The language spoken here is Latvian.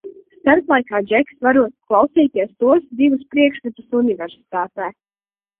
Starplaikā Džeks varot klausīties tos divus priekšmetus Universitātē.